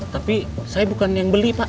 tapi saya bukan yang beli pak